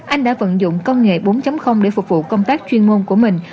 anh đã vận dụng công nghệ bốn để phục vụ công tác chuyên môn của mình